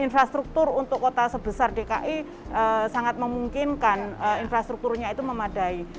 infrastruktur untuk kota sebesar dki sangat memungkinkan infrastrukturnya itu memadai